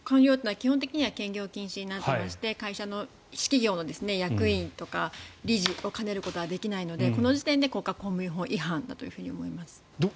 基本的には兼業禁止になっていまして私企業の役員とか理事を兼ねることはできないので、この時点で国家公務員法違反だと思います。